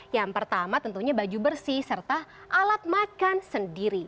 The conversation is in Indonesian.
yang pertama tentunya baju bersih serta alat makan sendiri